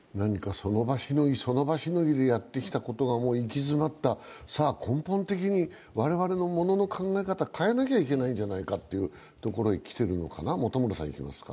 その場しのぎ、その場しのぎで、やってきたことがもう行き詰まった、根本的に我々の物の考え方を変えなきゃいけないんじゃないかというところに来てるのかな。